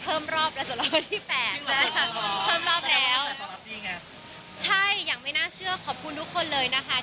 เพราะเรารู้สึกว่าคนมันไม่ได้เห็นเราร้องเพลงนาน